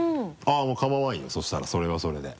あっもう構わんよそしたらそれはそれで。